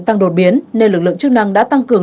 tăng đột biến nên lực lượng chức năng đã tăng cường